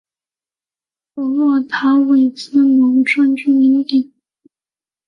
普洛塔韦茨农村居民点是俄罗斯联邦别尔哥罗德州科罗恰区所属的一个农村居民点。